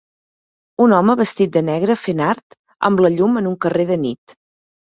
Un home vestit de negre fent art amb la llum en un carrer de nit.